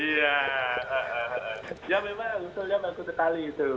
ya memang usulnya bagus sekali itu